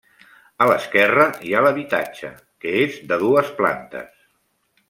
A l'esquerra hi ha l'habitatge, que és de dues plantes.